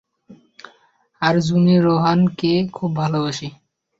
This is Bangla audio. আর জুনি রেহান কে খুব ভালোবাসে।